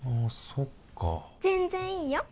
そっか全然いいよ